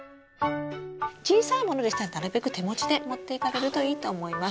小さいものでしたらなるべく手持ちで持っていかれるといいと思います。